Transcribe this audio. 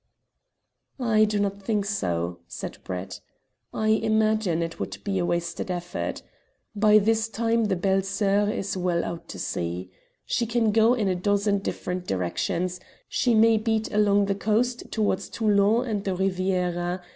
"I do not think so," said Brett. "I imagine it would be wasted effort. By this time the Belles Soeurs is well out to sea. She can go in a dozen different directions. She may beat along the coast towards Toulon and the Riviera.